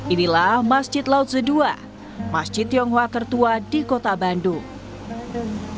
inilah masjid lause ii masjid tionghoa tertua di kota bandung